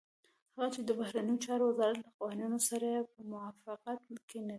هغه چې د بهرنيو چارو وزارت له قوانينو سره په موافقت کې نه دي.